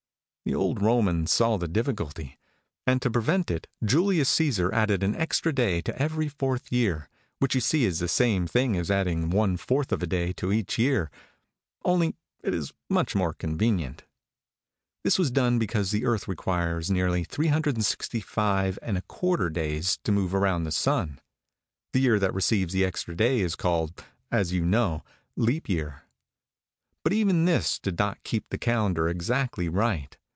The old Romans saw the difficulty; and, to prevent it, Julius Cæsar added an extra day to every fourth year, which you see is the same thing as adding one fourth of a day to each year, only it is much more convenient. This was done because the earth requires nearly 365 1/4 days to move round the sun. The year that receives the extra day is called, as you know, leap year. But even this did not keep the calendar exactly right.